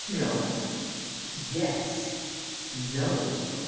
"No." "Yes." "No."